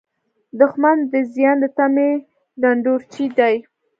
دښمن د زیان د تمې ډنډورچی دی